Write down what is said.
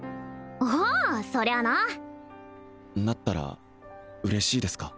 ああそりゃあななったら嬉しいですか？